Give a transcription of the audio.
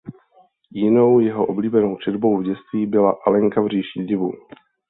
Jinou jeho oblíbenou četbou v dětství byla "Alenka v říši divů".